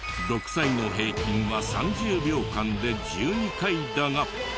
６歳の平均は３０秒間で１２回だが。